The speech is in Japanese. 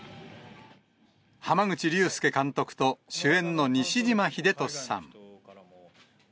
濱口竜介監督と、主演の西島秀俊さん。